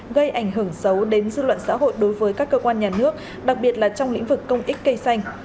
gây ảnh hưởng xấu đến dư luận xã hội đối với các cơ quan nhà nước đặc biệt là trong lĩnh vực công ích cây xanh